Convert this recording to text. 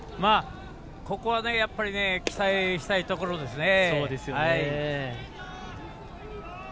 ここは期待したいところですね。